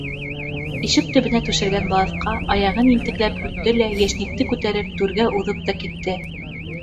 Ишек төбөнә түшәлгән балаҫҡа аяғын ентекләп һөрттө лә, йәшникте күтәреп, түргә уҙып та китте.